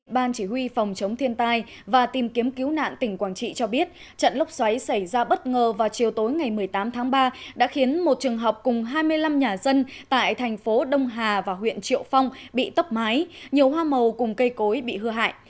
ban chỉ huy phòng chống thiên tai và tìm kiếm cứu nạn tỉnh quảng trị cho biết trận lốc xoáy xảy ra bất ngờ vào chiều tối ngày một mươi tám tháng ba đã khiến một trường học cùng hai mươi năm nhà dân tại thành phố đông hà và huyện triệu phong bị tốc mái nhiều hoa màu cùng cây cối bị hư hại